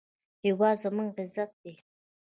هېواد زموږ عزت دی